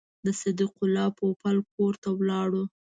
د صدیق الله پوپل کور ته ولاړو.